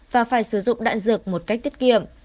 và phải sử dụng đạn dược một cách tiết kiệm